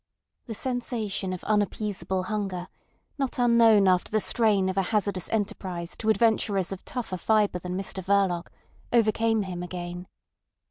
The sensation of unappeasable hunger, not unknown after the strain of a hazardous enterprise to adventurers of tougher fibre than Mr Verloc, overcame him again.